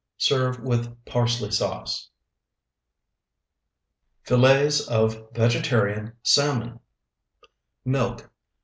Serve with parsley sauce. FILLETS OF VEGETARIAN SALMON Milk.